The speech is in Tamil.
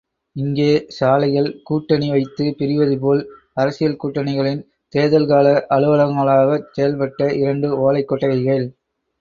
இங்கே, சாலைகள், கூட்டணி வைத்து பிரிவதுபோல், அரசியல் கூட்டணிகளின் தேர்தல் கால அலுவலகங்களாகச் செயல்பட்ட இரண்டு ஒலைக் கொட்டகைகள்.